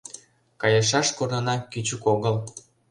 Кайышаш корнына кӱчык огыл.